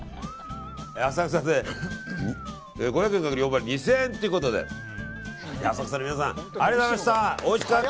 浅草で５００円×４倍２０００円ということで浅草の皆さんありがとうございました。